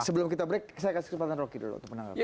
sebelum kita break saya kasih kesempatan roky dulu untuk menanggapi